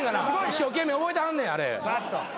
一生懸命覚えてはんねんあれ。